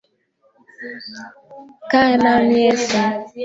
Kaa nami Yesu